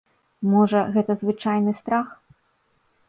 Можа, гэта звычайны страх?